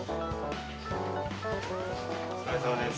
お疲れさまです。